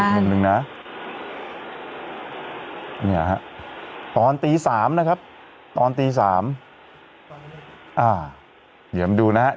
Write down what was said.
อีกหนึ่งหนึ่งน่ะเนี่ยฮะตอนตีสามนะครับตอนตีสามอ่าเดี๋ยวมันดูนะฮะ